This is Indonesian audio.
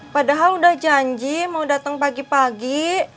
padahal udah janji mau datang pagi pagi